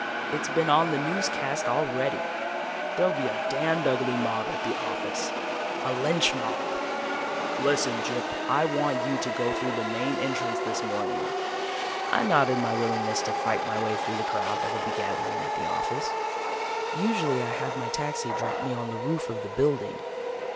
"It's been on the newscast already. There'll be a damned ugly mob at the office a lynch mob. Listen, Gyp, I want you to go through the main entrance this morning." I nodded my willingness to fight my way through the crowd that would be gathering at the office. Usually I have my taxi drop me on the roof of the building.